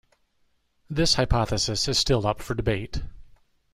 This hypothesis is still up for debate.